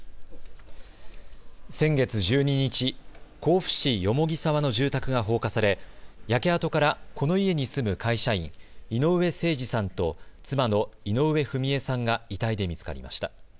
先月１２日、甲府市蓬沢の住宅が放火され焼け跡から、この家に住む会社員、井上盛司さんと妻の井上章惠さんが遺体で見つかりました。